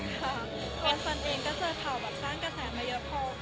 วันสันเองก็เจอข่าวแบบสร้างกระแสมาเยอะพอ